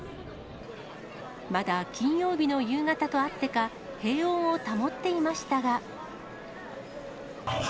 まだ金曜日の夕方とあってか、平穏を保っていましたが。